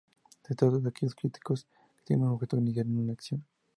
Se trata de aquellos escritos que tienen por objeto iniciar una acción.